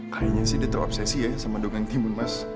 kayaknya sih dia terobsesi ya sama dengan timun mas